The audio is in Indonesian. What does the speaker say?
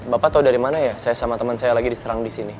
bapak tahu dari mana ya saya sama teman saya lagi diserang di sini